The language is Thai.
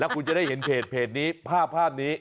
คุณจะได้เห็นเพจนี้ภาพนี้